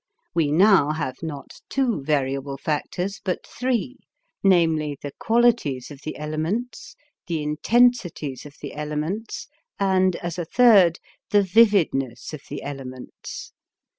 We now have not two variable factors, but three, namely, the qualities of the elements, the intensities of the elements, and, as a third, the vividness of the elements.